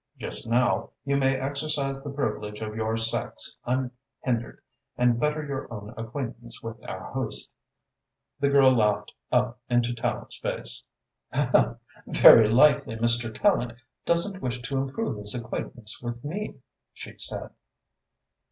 Just now you may exercise the privilege of your sex unhindered and better your own acquaintance with our host." The girl laughed up into Tallente's face. "Very likely Mr. Tallente doesn't wish to improve his acquaintance with me," she said.